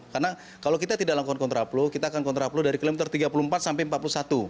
karena kalau kita tidak lakukan kontraplu kita akan kontraplu dari kilometer tiga puluh empat sampai empat puluh satu